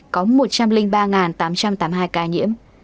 có một trăm linh ba tám trăm tám mươi hai ca nhiễm